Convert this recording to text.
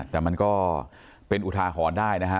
แต่มันก็เป็นอุทาหรณ์ได้นะฮะ